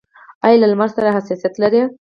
ایا له لمر سره حساسیت لرئ؟